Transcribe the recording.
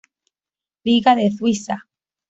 Liga de Suiza.